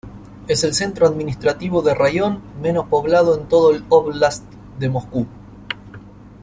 Es el centro administrativo de raión menos poblado en todo el óblast de Moscú.